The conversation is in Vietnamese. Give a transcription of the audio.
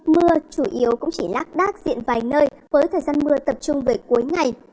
mưa chủ yếu cũng chỉ lắc đắc diện vài nơi với thời gian mưa tập trung về cuối ngày